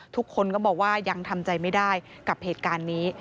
ทุกคนก็บอกว่ายังทำใจไม่ได้กับเหตุการณ์นี้